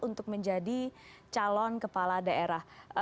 untuk menjadi calon kepala daerah